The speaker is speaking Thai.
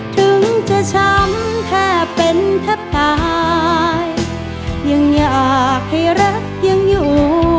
ถึงจะช้ำแทบเป็นแทบตายยังอยากให้รักยังอยู่